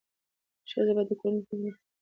ښځه باید د کورني نظم لپاره ټول حقوق رعایت کړي.